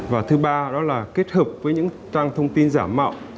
và thứ ba đó là kết hợp với những trang thông tin giả mạo